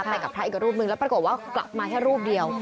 ไปกับพระอีกรูปนึงแล้วปรากฏว่ากลับมาแค่รูปเดียว